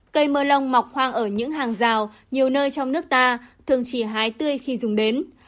cây mơ lông mọc hoang ở những hàng rào nhiều nơi trong nước ta thường chỉ hái tươi khi dùng đến